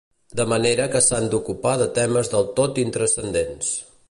De manera que s’han d’ocupar de temes del tot intranscendents.